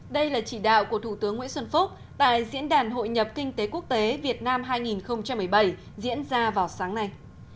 đây là chỉ đạo của thủ tướng nguyễn xuân phúc tại diễn đàn hội nhập kinh tế quốc tế việt nam hai nghìn một mươi bảy diễn ra vào sáng nay